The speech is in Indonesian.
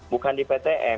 bukan di ptm